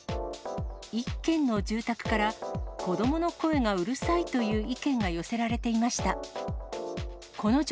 １軒の住宅から、子どもの声がうるさいという意見が寄せられていました。